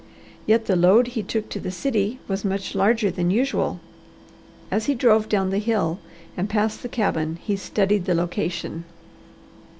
Yet the load he took to the city was much larger than usual. As he drove down the hill and passed the cabin he studied the location.